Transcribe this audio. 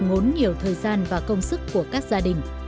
ngốn nhiều thời gian và công sức của các gia đình